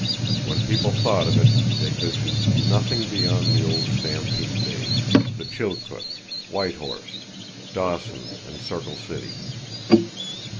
When people thought of it, they visioned nothing beyond the old stampede days, the Chilkoot, White Horse, Dawson, and Circle City.